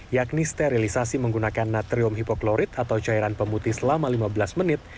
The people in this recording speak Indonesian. yakni sterilisasi menggunakan natrium hipoklorit atau cairan pemutih selama lima belas menit